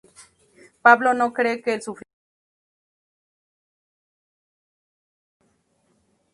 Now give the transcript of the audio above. Pablo no cree que el sufrimiento tenga ningún beneficio expiatorio.